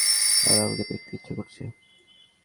আর আমাকে দেখতে ইচ্ছে করেছে।